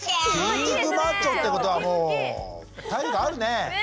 筋肉マッチョってことはもう体力あるね。